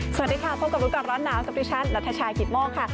สวัสดีค่ะพบกับรุ๊ปกับร้อนน้ำที่ชั้นณัทชาห์กิตโม้งค่ะ